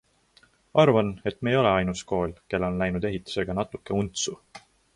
Arvan, et me ei ole ainus kool, kellel on läinud ehitusega natuke untsu.